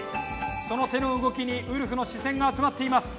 その手の動きにウルフの視線が集まっています。